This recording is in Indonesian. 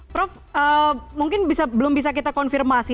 prof mungkin belum bisa kita konfirmasi